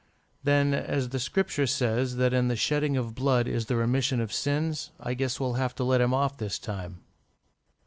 "Then, as the Scripture says that in the shedding of blood is the remission of sins, I guess we'll have to let him off this time."